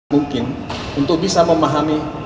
mungkin untuk bisa memahami